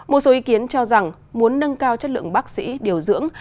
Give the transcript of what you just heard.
một số ý kiến cho rằng muốn nâng cao chất lượng bác sĩ điều dưỡng